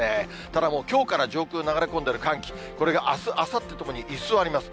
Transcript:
ただもう、きょうから上空流れ込んでる寒気、これがあす、あさってともに居座ります。